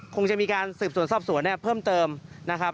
คงจะมีการสืบสวนสอบสวนเนี่ยเพิ่มเติมนะครับ